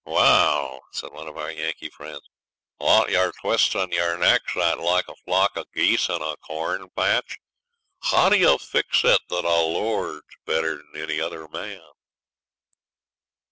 'Wa al!' said one of our Yankee friends, 'what 'yur twistin' your necks at like a flock of geese in a corn patch? How d'ye fix it that a lord's better'n any other man?'